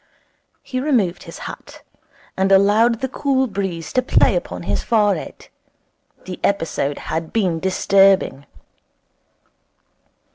He removed his hat, and allowed the cool breeze to play upon his forehead. The episode had been disturbing.